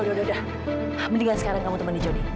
udah mendingan sekarang kamu temanin jonny